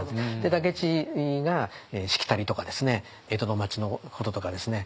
武市がしきたりとかですね江戸の町のこととかですね